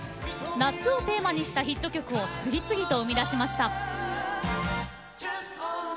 夏をテーマにしたヒット曲を次々と生み出しました。